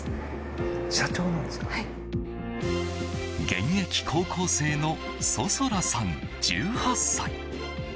現役高校生の想空さん、１８歳。